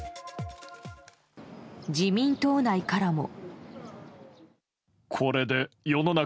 自民党内からも。